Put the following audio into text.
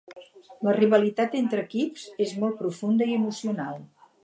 La rivalitat entre equips és molt profunda i emocional.